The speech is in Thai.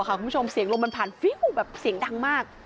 คุณผู้ชมเสียงลมมันผ่านฟิวแบบเสียงดังมาก